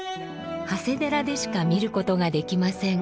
長谷寺でしか見ることができません。